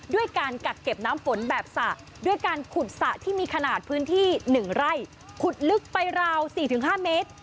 ด้วยการกักเก็บน้ำฝนแบบสระด้วยการขุดสระที่มีขนาดพื้นที่๑ไร่ขุดลึกไปราว๔๕เมตร